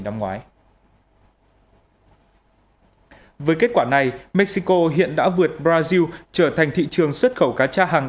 năm ngoái với kết quả này mexico hiện đã vượt brazil trở thành thị trường xuất khẩu cá tra hàng